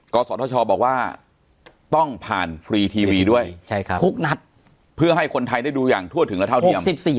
ศทชบอกว่าต้องผ่านฟรีทีวีด้วยทุกนัดเพื่อให้คนไทยได้ดูอย่างทั่วถึงและเท่าเทียม